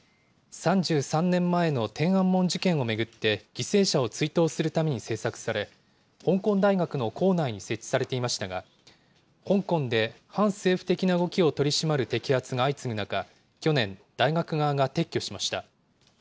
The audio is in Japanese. ３３年前の天安門事件を巡って、犠牲者を追悼するために制作され、香港大学の構内に設置されていましたが、香港で反政府的な動きを取り締まる摘発が相次ぐ中、去年、大学側が撤去しました。